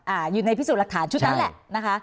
อ่าอยู่ในพิสูจน์หลักฐานชุดนั้นแหละนะคะ